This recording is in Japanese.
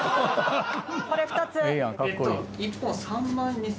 これ２つ。